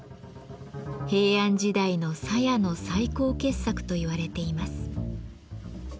平安時代の鞘の最高傑作と言われています。